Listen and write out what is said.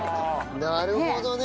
なるほどね。